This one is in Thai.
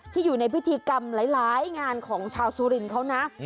อยู่ในพิธีกรรมหลายงานของชาวสุรินทร์เขานะ